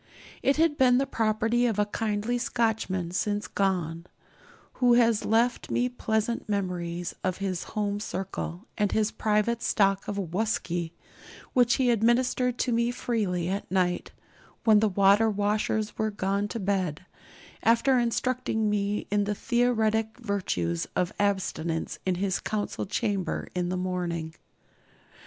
It had been the property of a kindly Scotchman since gone, who has left me pleasant memories of his home circle and his private stock of 'whusky,' which he administered to me freely at night, when the water washers were gone to bed, after instructing me in the theoretic virtues of abstinence in his council chamber in the morning.